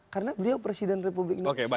karena beliau presiden republik indonesia